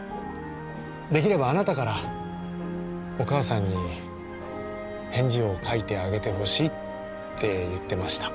できればあなたからお母さんに返事を書いてあげてほしいって言ってました。